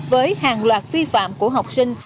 với hàng loạt vi phạm của học sinh